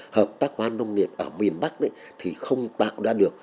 hợp tác hoa nông nghiệp ở miền bắc thì không tạo ra được